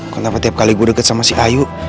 kenapa tiap kali gue deket sama si ayu